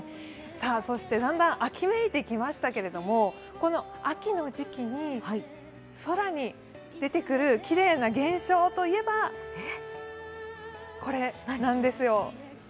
そして、だんだん秋めいてきましたけれども、この秋の時期に空に出てくるきれいな現象といえば、これなんですよ。